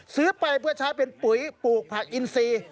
ซื้อไปเพื่อใช้เป็นปุ๋ยปลูกผักอินซี